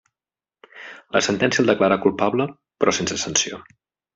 La sentència el declarà culpable, però sense sanció.